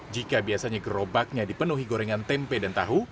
jika biasanya gerobaknya dipenuhi gorengan tempe dan tahu